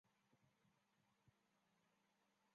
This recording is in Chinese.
他是史上首位在台湾出生的太空人。